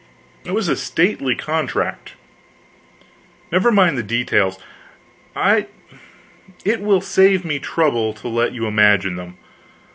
it was a stately contract. Never mind the details it will save me trouble to let you imagine them.